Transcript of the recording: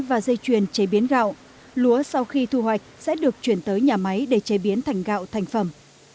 và dây chuyền chế biến gạo lúa sau khi thu hoạch sẽ được chuyển tới nhà máy để chế biến thành gạo thành phẩm